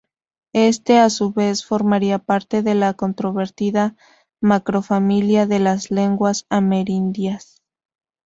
Éste a su vez formaría parte de la controvertida macrofamilia de las lenguas amerindias.